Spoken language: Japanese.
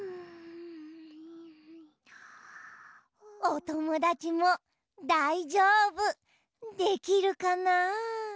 おともだちもだいじょうぶできるかな？